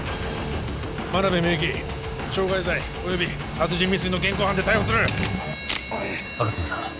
真鍋美雪傷害罪および殺人未遂の現行犯で逮捕する吾妻さん